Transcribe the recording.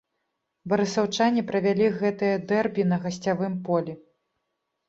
Барысаўчане правялі гэтае дэрбі на гасцявым полі.